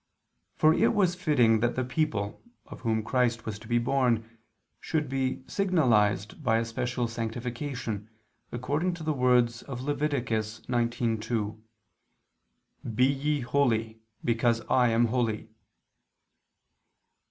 For it was fitting that the people, of whom Christ was to be born, should be signalized by a special sanctification, according to the words of Lev. 19:2: "Be ye holy, because I ... am holy."